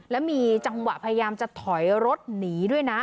แล้วมีจังหวะพยายามจะถอยรถหนีด้วยนะ